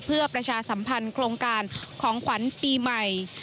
เพื่อประชาสัมพันธ์โครงการของขวัญปีใหม่